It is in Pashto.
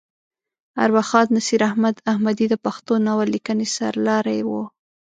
ارواښاد نصیر احمد احمدي د پښتو ناول لیکنې سر لاری وه.